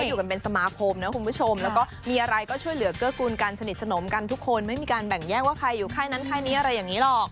อยู่กันเป็นสมาคมนะคุณผู้ชมแล้วก็มีอะไรก็ช่วยเหลือเกื้อกูลกันสนิทสนมกันทุกคนไม่มีการแบ่งแยกว่าใครอยู่ค่ายนั้นค่ายนี้อะไรอย่างนี้หรอก